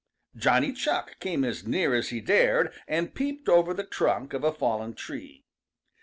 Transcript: Johnny Chuck came as near as he dared and peeped over the trunk of a fallen tree.